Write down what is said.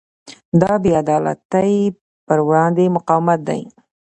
دا د بې عدالتۍ پر وړاندې مقاومت دی.